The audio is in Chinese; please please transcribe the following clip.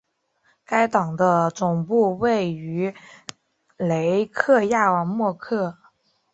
该党的总部位于雷克雅未克。